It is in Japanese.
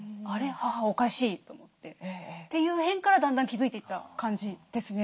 母おかしい」と思ってっていう辺からだんだん気付いていった感じですね。